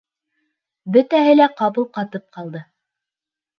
Бөтәһе лә ҡапыл ҡатып ҡалды.